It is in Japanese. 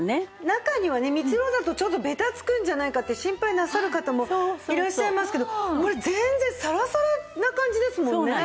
中にはねミツロウだとちょっとベタつくんじゃないかって心配なさる方もいらっしゃいますけどこれ全然サラサラな感じですもんね。